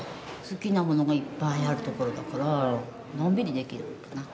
好きなものがいっぱいある所だからのんびりできるのかな。